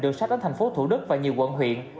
đường sách đến thành phố thủ đức và nhiều quận huyện